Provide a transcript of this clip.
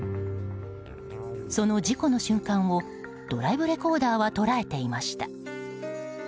その事故の瞬間をドライブレコーダーは捉えていました。